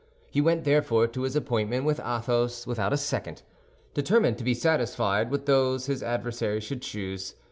He went therefore to his appointment with Athos without a second, determined to be satisfied with those his adversary should choose.